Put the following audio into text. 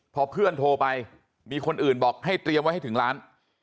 พอเพื่อนโทรไปมีคนอื่นบอกให้เตรียมไว้ให้ถึงร้าน